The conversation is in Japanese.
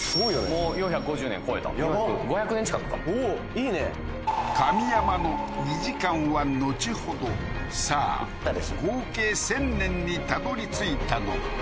もう４５０年超えたやばっ５００年近くかおおーいいね神山の２時間は後ほどさあ合計１０００年にたどり着いたのか？